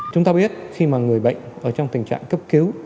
chúng ta biết khi mà người bệnh ở trong tình trạng cấp cứu